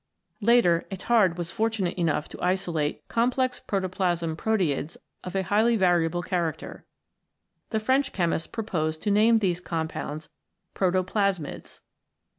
Later, Etard was fortunate enough to isolate complex protoplasm proteids of highly variable character. The French chemist proposed to name these com pounds Protoplasmids.